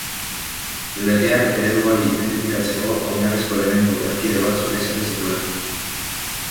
Legeak eredu hori identifikatzeko oinarrizko elementu erkide batzuk ezarri zituen.